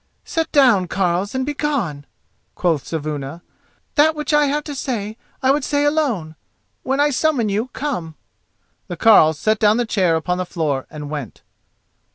"Set down, carles, and begone!" quoth Saevuna; "that which I have to say I would say alone. When I summon you, come." The carles set down the chair upon the floor and went.